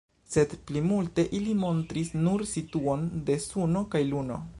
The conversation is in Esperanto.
Sed plimulte ili montris nur situon de Suno kaj Luno.